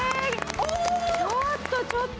ちょっとちょっと。